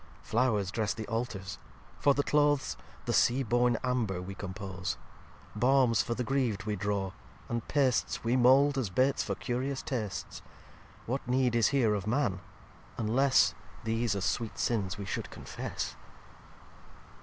Flow'rs dress the Altars; for the Clothes, The Sea born Amber we compose; Balms for the griv'd we draw; and pasts We mold, as Baits for curious tasts. What need is here of Man? unless These as sweet Sins we should confess.